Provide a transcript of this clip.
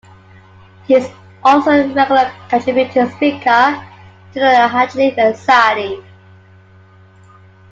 He is also a regular contributing speaker to the Hadrianic Society.